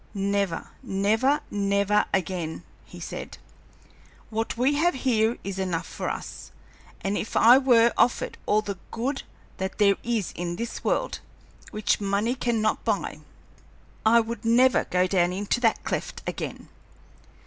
"Never, never, never again," he said. "What we have here is enough for us, and if I were offered all the good that there is in this world, which money cannot buy, I would never go down into that cleft again.